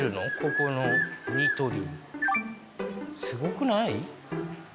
すごくない？